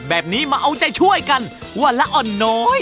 แบบนี้มาเอาใจช่วยกันวันละอ่อนน้อย